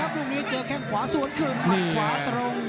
มุ่งนี้เจอแค่ขวาสวนขึ้นมัดขวาตรง